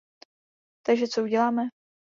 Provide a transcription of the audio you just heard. Takže co uděláme?